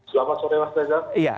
selamat sore mas peja